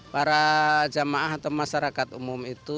para jamaah atau masyarakat umum itu